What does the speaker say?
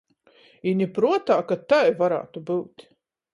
I ni pruotā, ka tai varātu byut.